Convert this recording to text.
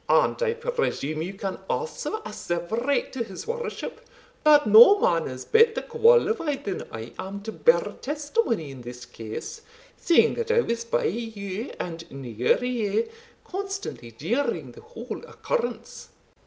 "And I presume you can also asseverate to his worship, that no man is better qualified than I am to bear testimony in this case, seeing that I was by you, and near you, constantly during the whole occurrence."